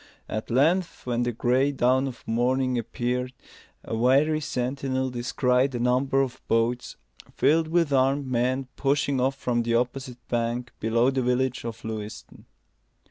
At length, when the gray dawn of morning appeared, a wary sentinel descried a number of boats, filled with armed men, pushing off from the opposite bank below the village of Lewiston.